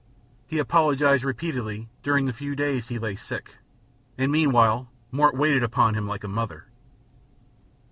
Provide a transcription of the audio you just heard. He apologized repeatedly during the few days he lay sick, and meanwhile Mort waited upon him like a mother.